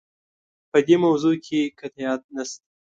په دې موضوع کې قطعیت نشته.